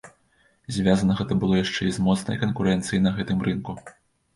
Звязана гэта было яшчэ і з моцнай канкурэнцыяй на гэтым рынку.